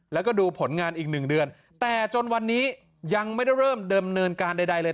แล้วก็ดูผลงานอีกหนึ่งเดือนแต่จนวันนี้ยังไม่ได้เริ่มเดิมเนินการใดเลย